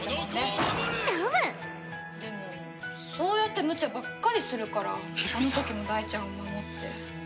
でもそうやってむちゃばっかりするからあの時も大ちゃんを守って。